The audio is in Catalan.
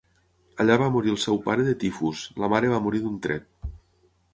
Allà va morir el seu pare de tifus, la mare va morir d'un tret.